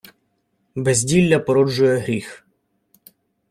Безділля породжує гріх.